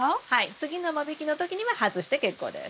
次の間引きの時には外して結構です。